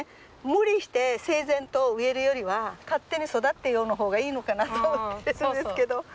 無理して整然と植えるよりは「勝手に育ってよ」の方がいいのかなと思ってるんですけど。